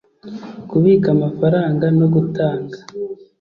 Kubika amafaranga no gutanga